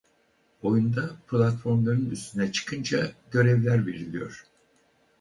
Oyunda platformların üstüne çıkınca görevler veriliyor.